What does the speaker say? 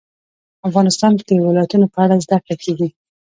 افغانستان کې د ولایتونو په اړه زده کړه کېږي.